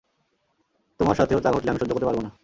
তোমার সাথেও তা ঘটলে আমি সহ্য করতে পারব না।